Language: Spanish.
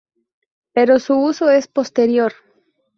Pero su uso es posterior.